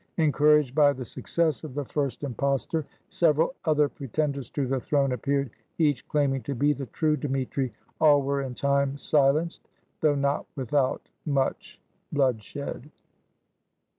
Encouraged by the success of the first impostor, several other pretenders to the throne appeared, each claiming to be the true Dmitri. All were in time silenced, though not without much bloodshed.